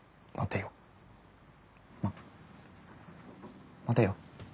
ま待てよ。